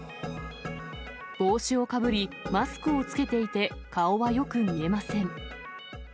帽子をかぶり、マスクを着けていて、顔はよく見えません。